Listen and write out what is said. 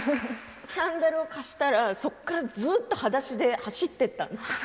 サンダルを貸したらそこからずっとはだしで走っていったんですか？